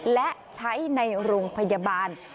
และใช้ในโรงพยาบาล